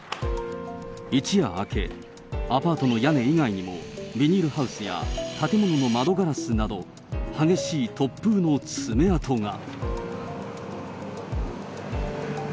一夜明け、アパートの屋根以外にも、ビニールハウスや建物の窓ガラスなど、激しい突風の爪痕が。